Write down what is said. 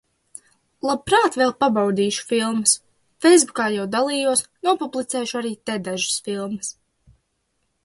Labprāt vēl pabaudīšus filmas. Feisbukā jau dalījos, nopublicēšu arī te dažas filmas.